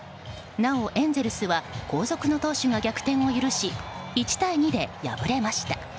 なおエンゼルスは後続の投手が逆転を許し１対２で敗れました。